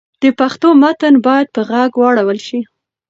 د پښتو متن باید په ږغ واړول شي.